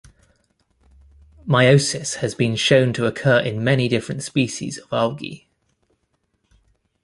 Meiosis has been shown to occur in many different species of algae.